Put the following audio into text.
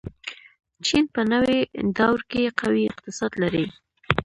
چین په نوې دور کې قوي اقتصاد لري.